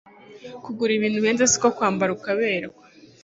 kugura ibintu bihenze siko kwambara uka berwa